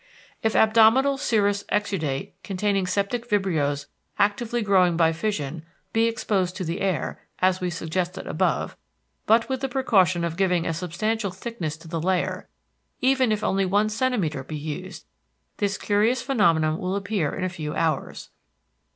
If abdominal serous exudate containing septic vibrios actively growing by fission by exposed to the air, as we suggested above, but with the precaution of giving a substantial thickness to the layer, even if only one centimeter be used, this curious phenomenon will appear in a few hours.